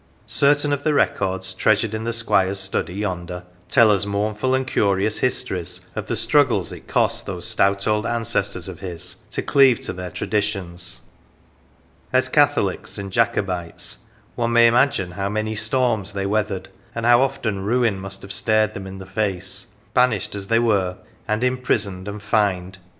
Certain of the records treasured in the Squire's study yonder tell us mournful and curious histories of the struggles it cost those stout old ancestors of his to cleave to their traditions. As Catholics and Jacobites, 176 OF THE WALL one may imagine how many storms they weathered, how often ruin must have stared them in the face, banished as they were, and imprisoned, and fined.